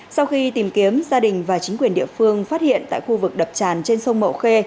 sau khi tìm kiếm gia đình và chính quyền địa phương phát hiện tại khu vực đập tràn trên sông mậu khê